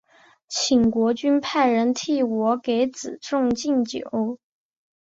请国君派人替我给子重进酒。